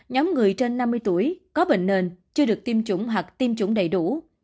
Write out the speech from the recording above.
nhóm người trên năm mươi tuổi có bệnh nền chưa được tiêm chủng hoặc tiêm chủng đầy đủ